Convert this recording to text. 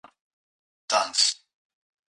男子